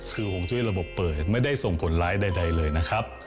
คือห่วงจุ้ยระบบเปิดไม่ได้ส่งผลร้ายใดเลยนะครับ